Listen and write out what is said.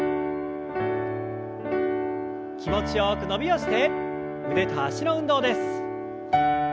気持ちよく伸びをして腕と脚の運動です。